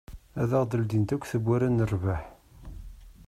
Ad aɣ-d-ldint akk tewwura n rrbeḥ.